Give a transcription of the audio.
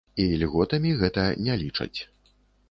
І льготамі гэта не лічаць.